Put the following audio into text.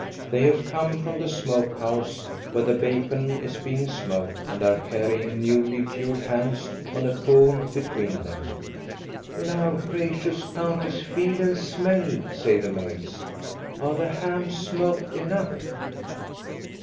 They have come from the smoke house, where the bacon is being smoked, and are carrying newly cured hams on a pole between them. " Will our gracious Countess feel and smell ?" say the maids. " Arc the hams smoked enough?